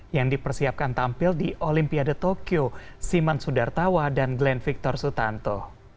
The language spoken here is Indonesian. yang dipersiapkan tampil di olimpiade tokyo siman sudartawa dan glenn victor sutanto